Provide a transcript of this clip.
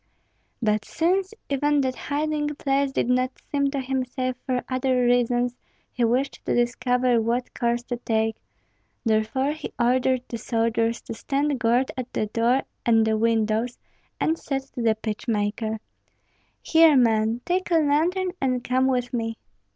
But since even that hiding place did not seem to him safe for other reasons, he wished to discover what course to take; therefore he ordered the soldiers to stand guard at the door and the windows, and said to the pitch maker, "Here, man, take a lantern and come with me."